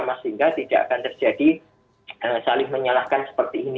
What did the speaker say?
sehingga tidak akan terjadi saling menyalahkan seperti ini